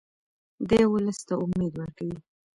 دی ولس ته امید ورکوي.